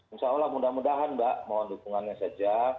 insya allah mudah mudahan mbak mohon dukungannya saja